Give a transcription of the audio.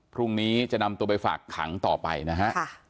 พรุ่งนี้จะนำตัวไปฝากขังต่อไปนะฮะ